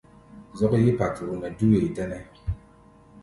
Zɔ́k yí paturu nɛ dú wee tɛ́nɛ́.